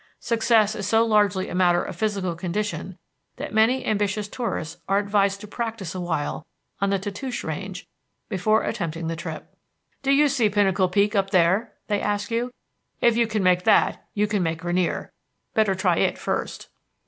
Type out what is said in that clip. Success is so largely a matter of physical condition that many ambitious tourists are advised to practise awhile on the Tatoosh Range before attempting the trip. "Do you see Pinnacle Peak up there?" they ask you. "If you can make that you can make Rainier. Better try it first."